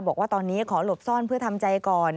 บอกว่าตอนนี้ขอหลบซ่อนเพื่อทำใจก่อน